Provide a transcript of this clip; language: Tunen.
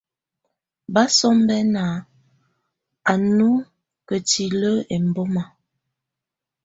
Basɔmbɛna á nɔ kǝ́tilǝ́ ɛmbɔma.